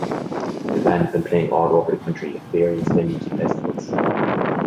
The band have been playing all over the country at various venues and festivals.